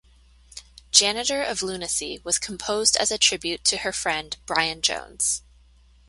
"Janitor of Lunacy" was composed as a tribute to her friend Brian Jones.